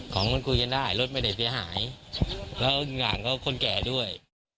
ของมันคุยกันได้รถไม่ได้เสียหายแล้วอีกอย่างก็คนแก่ด้วย